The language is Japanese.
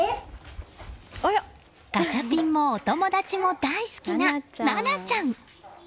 ガチャピンもお友達も大好きな夏菜ちゃん。